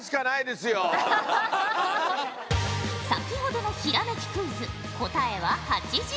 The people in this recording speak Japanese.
先ほどのひらめきクイズ答えは８８。